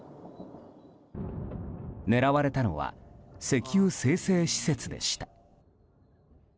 狙われたのは石油精製施設でした。